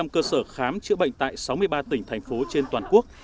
chín mươi chín năm cơ sở khám chữa bệnh tại sáu mươi ba tỉnh thành phố trên toàn quốc